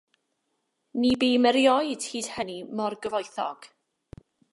Ni bûm erioed hyd hynny mor gyfoethog.